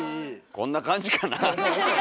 こんな感じかなあ？